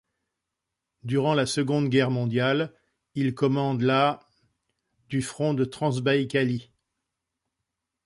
Durant la Seconde Guerre mondiale, il commande la du front de Transbaïkalie.